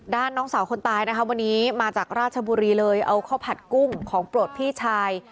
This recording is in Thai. น้องสาวคนตายนะคะวันนี้มาจากราชบุรีเลยเอาข้าวผัดกุ้งของโปรดพี่ชาย